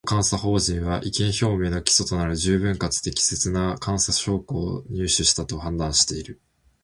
当監査法人は、意見表明の基礎となる十分かつ適切な監査証拠を入手したと判断している